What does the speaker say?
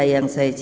yang saya cintai